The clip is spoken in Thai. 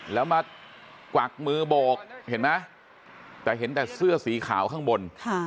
แล้วมากวักมือโบกเห็นไหมแต่เห็นแต่เสื้อสีขาวข้างบน